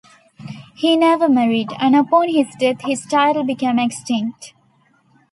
He never married, and upon his death, his title became extinct.